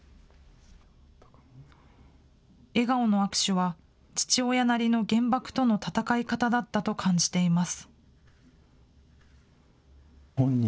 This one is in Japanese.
笑顔の握手は、父親なりの原爆との闘い方だったと感じています。